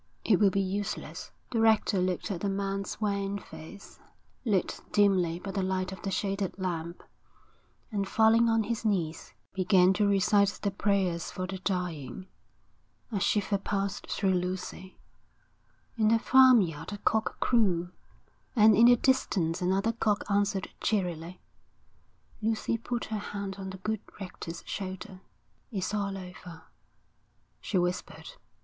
'It will be useless.' The rector looked at the man's wan face, lit dimly by the light of the shaded lamp, and falling on his knees, began to recite the prayers for the dying. A shiver passed through Lucy. In the farmyard a cock crew, and in the distance another cock answered cheerily. Lucy put her hand on the good rector's shoulder. 'It's all over,' she whispered.